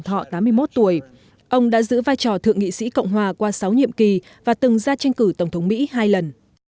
thọ tám mươi một tuổi ông đã giữ vai trò thượng nghị sĩ cộng hòa qua sáu nhiệm kỳ và từng ra tranh cử tổng thống mỹ hai lần